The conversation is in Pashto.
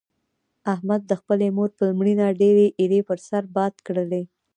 احمد د خپلې مور پر مړینه ډېرې ایرې پر سر باد کړلې.